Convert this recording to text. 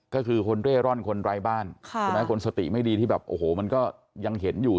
ก็คือคนเร่ร่อนคนไร้บ้านใช่ไหมคนสติไม่ดีที่แบบโอ้โหมันก็ยังเห็นอยู่